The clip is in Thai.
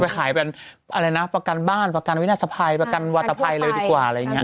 ขายเป็นอะไรนะประกันบ้านประกันวินาศภัยประกันวัตภัยเลยดีกว่าอะไรอย่างนี้